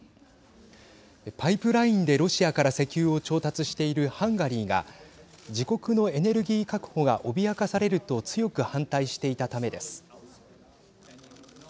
パイプラインでロシアから石油を調達しているハンガリーが自国のエネルギー確保が脅かされると強く反対していたためです。